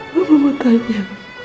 mama mau tanya